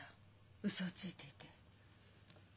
ウソをついていて。